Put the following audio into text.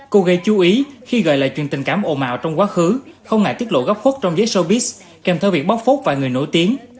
cô gây chú ý khi gọi lời truyền tình cảm ồn mào trong quá khứ không ngại tiết lộ góc khuất trong giấy showbiz kèm theo việc bóc phốt và người nổi tiếng